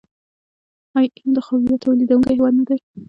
آیا ایران د خاویار تولیدونکی هیواد نه دی؟